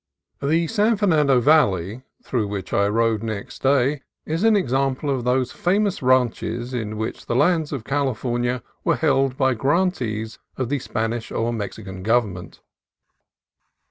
The San Fernando Valley, through which I rode next day, is an example of those famous ranches in which the lands of California were held by grantees of the Spanish or Mexican Government.